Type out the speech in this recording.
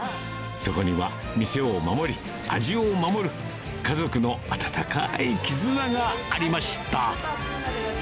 そこには店を守り、味を守る、家族の温かい絆がありました。